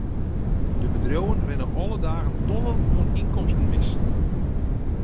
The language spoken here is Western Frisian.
De bedriuwen rinne alle dagen tonnen oan ynkomsten mis.